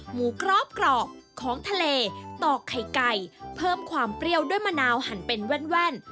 กรอบของทะเลตอกไข่ไก่เพิ่มความเปรี้ยวด้วยมะนาวหั่นเป็นแว่น